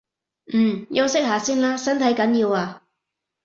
嗯，休息下先啦，身體緊要啊